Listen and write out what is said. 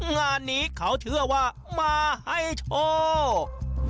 งานนี้เขาเชื่อว่ามาให้โชค